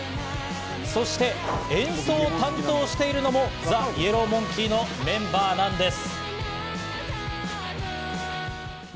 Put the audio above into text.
そして演奏を担当しているのもＴＨＥＹＥＬＬＯＷＭＯＮＫＥＹのメンバーなんです。